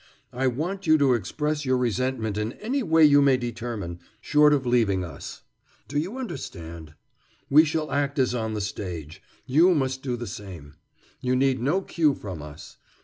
I want you to express your resentment in any way you may determine, short of leaving us. Do you understand? We shall act as on the stage; you must do the same. You need no cue from us.